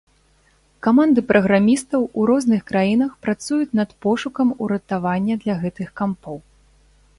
Каманды праграмістаў у розных краінах працуюць над пошукам уратавання для гэтых кампоў.